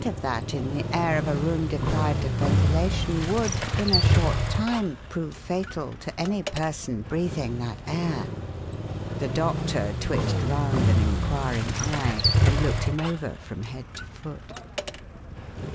of that in the air of a room deprived of ventilation would, in a short time, prove fatal to any person breathing that air." The doctor twitched round an inquiring eye, and looked him over from head to foot.